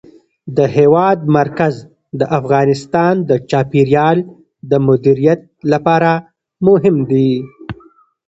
د هېواد مرکز د افغانستان د چاپیریال د مدیریت لپاره مهم دي.